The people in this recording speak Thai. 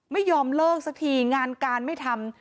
ไม่ยอมเลิกสักทีงานการไม่ทำ